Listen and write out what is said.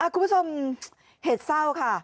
คุณผู้ชมเหตุเศร้าค่ะ